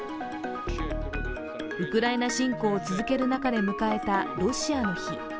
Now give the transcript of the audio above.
ウクライナ侵攻を続ける中で迎えたロシアの日。